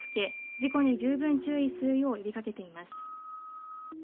事故に十分注意するよう呼びかけています。